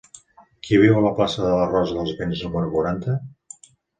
Qui viu a la plaça de la Rosa dels Vents número quaranta?